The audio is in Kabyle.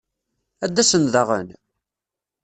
Ad d-asen daɣen?